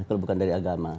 kalau bukan dari agama